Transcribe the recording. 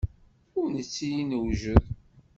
Ur nettili newjed.